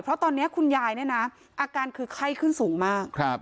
เพราะตอนนี้คุณยายเนี่ยนะอาการคือไข้ขึ้นสูงมาก